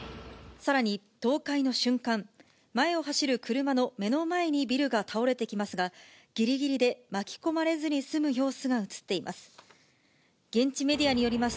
さらに倒壊の瞬間、前を走る車の目の前にビルが倒れてきますが、ぎりぎりで巻き込まれずに済む様子が映っています。